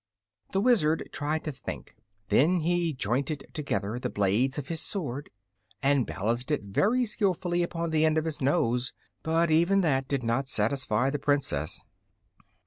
The Wizard tried to think. Then he jointed together the blades of his sword and balanced it very skillfully upon the end of his nose. But even that did not satisfy the Princess.